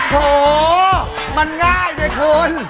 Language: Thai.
โหมันง่ายเลยคุณ